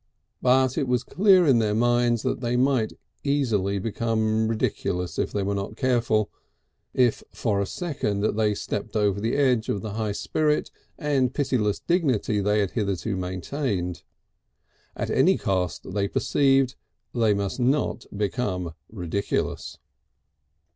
But it was clear in their minds they might easily become ridiculous if they were not careful, if for a second they stepped over the edge of the high spirit and pitiless dignity they had hitherto maintained. At any cost they perceived they must not become ridiculous.